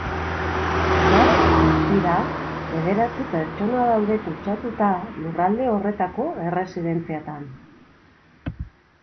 Hortaz, guztira, bederatzi pertsona daude kutsatuta lurralde horretako erresidentziatan.